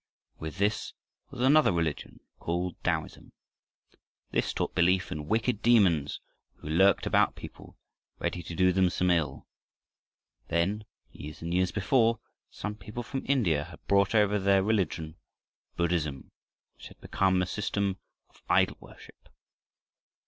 With this was another religion called Taoism. This taught belief in wicked demons who lurked about people ready to do them some ill. Then, years and years before, some people from India had brought over their religion, Buddhism, which had become a system of idol worship.